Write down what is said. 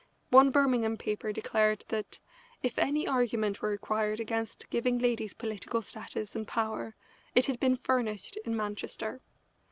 One Birmingham paper declared that "if any argument were required against giving ladies political status and power it had been furnished in Manchester."